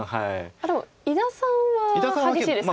あっでも伊田さんは激しいですか？